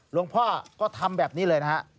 หลวงพ่อก็ทำแบบนี้เลยนะฮะ